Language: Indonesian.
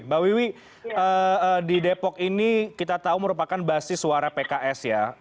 mbak wiwi di depok ini kita tahu merupakan basis suara pks ya